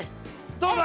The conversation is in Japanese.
どうだ？